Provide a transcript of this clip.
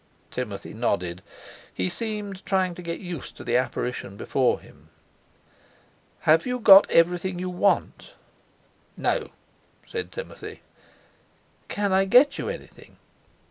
Timothy nodded. He seemed trying to get used to the apparition before him. "Have you got everything you want?" "No," said Timothy. "Can I get you anything?"